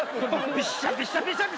びしゃびしゃで。